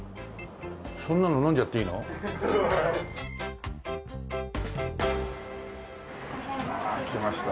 そんなの飲んじゃっていいの？きました。